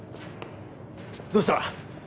どうした？